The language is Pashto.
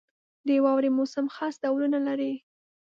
• د واورې موسم خاص ډولونه لري.